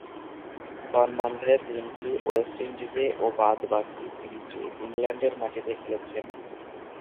তন্মধ্যে, তিনটি ওয়েস্ট ইন্ডিজে ও বাদ-বাকী তিনটি ইংল্যান্ডের মাটিতে খেলেছেন।